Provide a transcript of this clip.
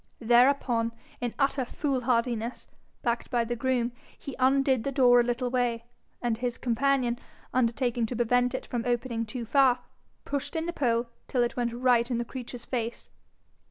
Thereupon, in utter fool hardiness, backed by the groom, he undid the door a little way, and, his companion undertaking to prevent it from opening too far, pushed in the pole till it went right in the creature's face.